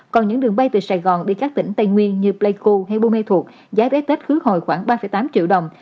còn những đường bay từ sài gòn đi các tỉnh tây nguyên như pleiku hay bume thuộc giá vé tết hứa hồi khoảng ba tám triệu đồng